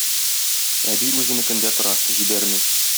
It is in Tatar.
Әби үзенекендә тора, җибәрми.